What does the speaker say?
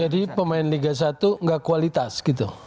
jadi pemain liga satu gak kualitas gitu